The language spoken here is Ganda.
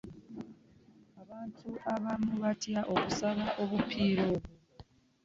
abantu abamu batya okusaba obupiira obwo.